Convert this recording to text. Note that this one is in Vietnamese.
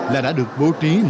là đã được bố trí